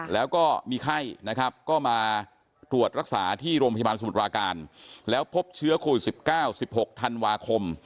แล้วก็มีไข้นะครับก็มาตรวจรักษาที่โรงพยาบาลสมุทรปราการแล้วพบเชื้อโควิด๑๙๑๖ธันวาคม